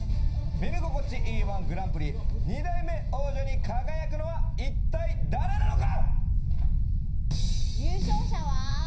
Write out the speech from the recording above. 「耳心地いい−１グランプリ」２代目王者に輝くのは、一体誰なのか？